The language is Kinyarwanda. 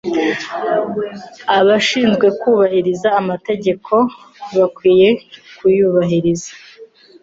Abashinzwe kubahiriza amategeko bakwiye kuyubahiriza.